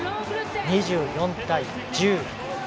２４対１０。